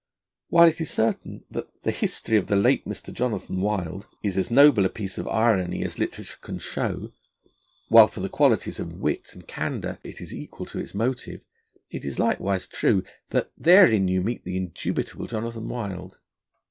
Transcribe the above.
While it is certain that The History of the Late Mr. Jonathan Wild is as noble a piece of irony as literature can show, while for the qualities of wit and candour it is equal to its motive, it is likewise true that therein you meet the indubitable Jonathan Wild.